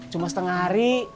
cuma setengah hari